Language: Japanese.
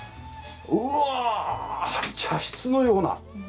うわ茶室のような。